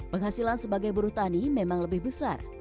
penghasilan sebagai buruh tani memang lebih besar